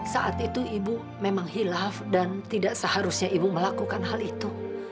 saat itu ibu memang hilaf dan tidak seharusnya ibu melakukan hal itu